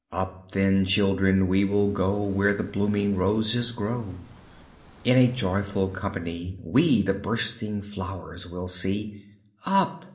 Up, then, children, we will go Where the blooming roses grow. In a joyful company We the bursting flowers will see; Up!